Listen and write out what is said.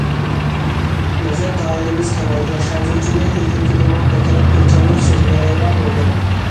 نەزەر دائىرىمىز كېڭەيدى، خەنزۇچىنى ئىلگىرىكىدىنمۇ بەكرەك ئۆلچەملىك سۆزلىيەلەيدىغان بولدۇق.